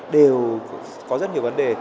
đều có rất nhiều vấn đề